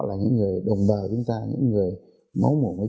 bất kỳ vấn đề của người